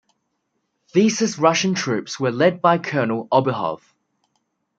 Theses Russian troops were led by Colonel Obuhov.